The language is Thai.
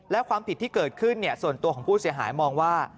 และความผิดที่เกิดขึ้นส่วนตัวของผู้เสียหายมองว่า